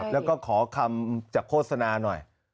แล้วก็ขอคำจากโฆษณาหน่อย